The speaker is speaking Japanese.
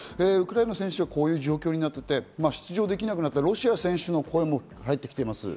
ウクライナの選手はこういう状況となっていて、出場できなくなったロシアの選手の声も入ってきています。